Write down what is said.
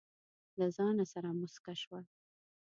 له ځانه سره موسکه شوه.